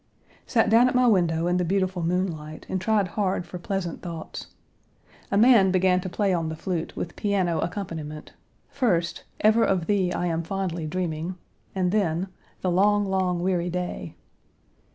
Sat down at my window in the beautiful moonlight, and Page 173 tried hard for pleasant thoughts. A man began to play on the flute, with piano accompaniment, first, "Ever of thee I am fondly dreaming," and then, "The long, long, weary day."